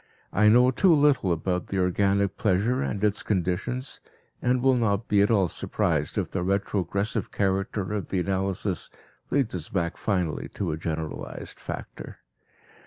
I know too little about organic pleasure and its conditions, and will not be at all surprised if the retrogressive character of the analysis leads us back finally to a generalized factor.